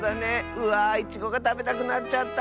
うわいちごがたべたくなっちゃった！